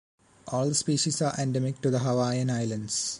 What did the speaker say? All the species are endemic to the Hawaiian Islands.